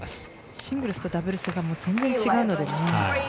シングルスとダブルスが全然、違うので。